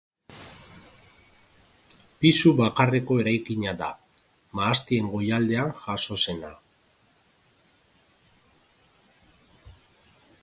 Pisu bakarreko eraikina da, mahastien goialdean jaso zena.